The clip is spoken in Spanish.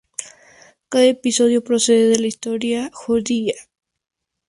Cada episodio procede de la historia judía.